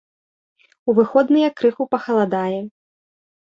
У выходныя крыху пахаладае.